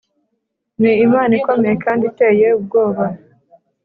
ni Imana ikomeye kandi iteye ubwoba. “